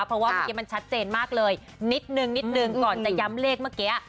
เพราะว่าเมื่อกี้มันชัดเจนมากเลยนิดนึงนิดนึงก่อนจะย้ำเลขเมื่อกี้